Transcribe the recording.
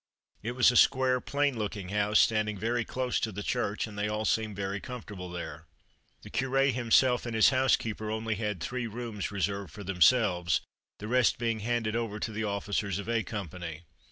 It was a square, plain looking house, standing very close to the church, and they all seemed very comfortable there. The Curé himself and his housekeeper only had three rooms reserved for themselves, the rest being handed over to the officers of A company.